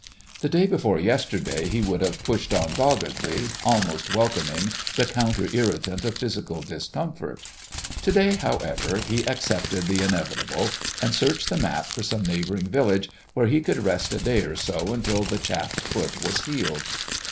The day before yesterday he would have pushed on doggedly, almost welcoming the counter irritant of physical discomfort. To day, however, he accepted the inevitable and searched the map for some neighbouring village where he could rest a day or so until the chafed foot was healed.